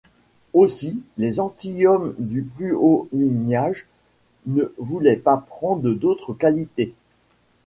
Aussi, les gentilshommes du plus haut lignage ne voulaient pas prendre d'autre qualité.